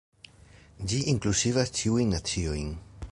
Ĝi inkluzivas ĉiujn naciojn.